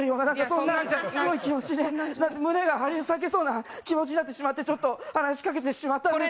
そんなんじゃない胸が張り裂けそうな気持ちになってしまってちょっと話しかけてしまったんです。